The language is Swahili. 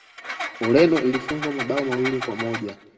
ureno ilifungwa mabao mawili kwa moja